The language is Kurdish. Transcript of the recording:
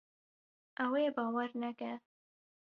Ew ê bawer neke.